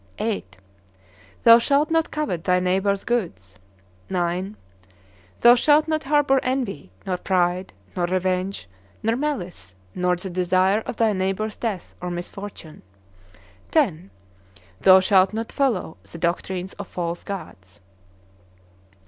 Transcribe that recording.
VIII. Thou shalt not covet thy neighbor's goods. IX. Thou shalt not harbor envy, nor pride, nor revenge, nor malice, nor the desire of thy neighbor's death or misfortune. X. Thou shalt not follow the doctrines of false gods.